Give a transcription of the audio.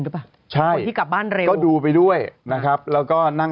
ป่ะใช่คนที่กลับบ้านเร็วก็ดูไปด้วยนะครับแล้วก็นั่ง